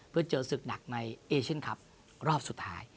เพื่อเจอศึกหนักในเอเชียนคลับรอบสุดท้าย